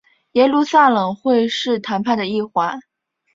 耶路撒冷会是谈判的一环。